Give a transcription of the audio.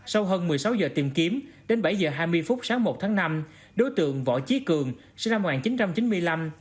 sau hơn một mươi sáu giờ tìm kiếm đến bảy giờ hai mươi phút sáng một tháng năm đối tượng võ chí cường sinh năm một nghìn chín trăm chín mươi năm